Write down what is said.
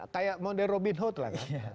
kayak model robin hood lah kan